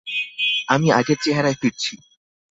আমি আগের চেহারায় ফিরছি।